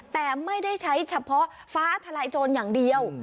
แต่ไม่ได้ใช้เฉพาะฟ้าทลายโจรอย่างเดียว